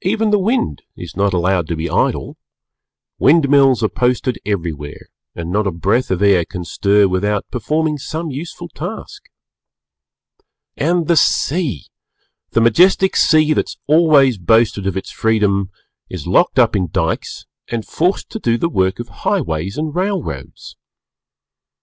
Even the Wind is not allowed to be idle; wind mills are posted everywhere and not a breath of air can stir without performing some useful task. And the Sea! The majestic Sea, that has always boasted of its freedom, is locked up in Dykes and forced to do the work of highways and railroads.